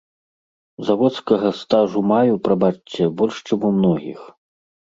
Заводскага стажу маю, прабачце, больш чым у многіх.